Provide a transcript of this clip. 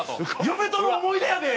嫁との思い出やで！